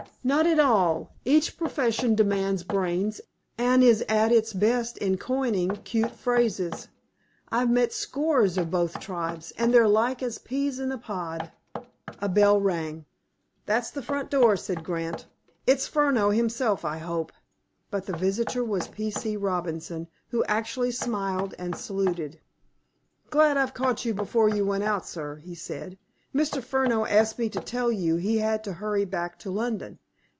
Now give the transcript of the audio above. "Not at all. Each profession demands brains, and is at its best in coining cute phrases. I've met scores of both tribes, and they're like as peas in a pod." A bell rang. "That's the front door," said Grant. "It's Furneaux himself, I hope." But the visitor was P. C. Robinson, who actually smiled and saluted. "Glad I've caught you before you went out, sir," he said. "Mr. Furneaux asked me to tell you he had to hurry back to London.